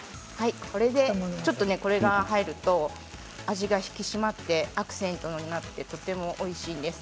これが入ると味が引き締まってアクセントになってとてもおいしいんです。